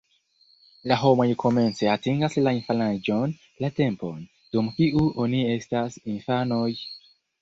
La homoj komence atingas la infanaĝon, la tempon, dum kiu oni estas infanoj.